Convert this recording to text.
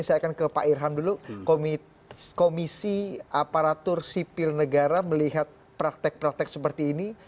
saya akan ke pak irham dulu komisi aparatur sipil negara melihat praktek praktek seperti ini